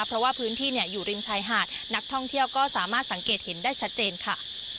เพราะว่าพื้นที่อยู่ริมชายหาดนักท่องเที่ยวก็สามารถสังเกตเห็นได้ชัดเจนค่ะ